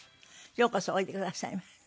ようこそおいでくださいました。